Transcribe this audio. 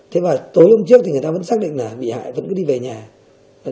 thế và tối hôm trước thì người ta vẫn xác định là bị hại vẫn cứ đi về nhà